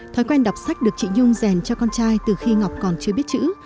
thói quen đọc sách được chị nhung rèn cho con trai từ khi ngọc còn chưa biết chữ